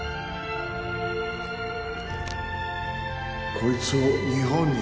こいつを日本に